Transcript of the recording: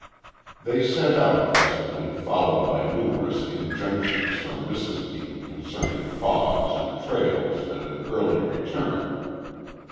They set out presently, followed by numerous injunctions from Mrs. Deane concerning fogs and trails and an early return.